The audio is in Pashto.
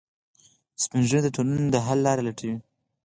سپین ږیری د ټولنې د حل لارې لټوي